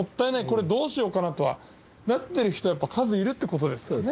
これどうしようかな？とはなってる人はやっぱり数いるって事ですよね。